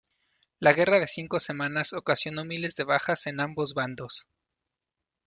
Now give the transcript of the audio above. La guerra de cinco semanas ocasionó miles de bajas en ambos bandos.